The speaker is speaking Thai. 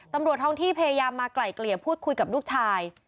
ตำรวจท้องที่พยายามมาไกล่เกลี่ยพูดคุยกับลูกชาย